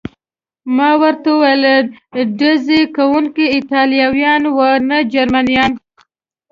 ما ورته وویل: ډزې کوونکي ایټالویان و، نه جرمنیان.